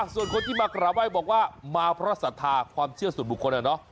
ส่วนคนที่มากราบไหว้บอกว่ามาเพราะศรัทธาความเชื่อส่วนบุคคลอะเนาะ